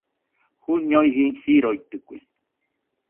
Juñoiji joroitɨkue.